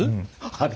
あれ？